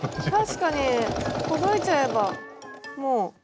確かにほどいちゃえばもう。